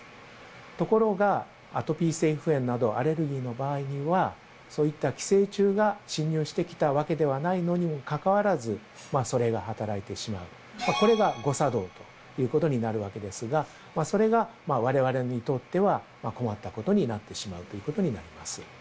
ところがアトピー性皮膚炎などアレルギーの場合には、そういった寄生虫が侵入してきたわけではないのにもかかわらず、それが働いてしまう、これが誤作動ということになるわけですが、それがわれわれにとっては困ったことになってしまうということになります。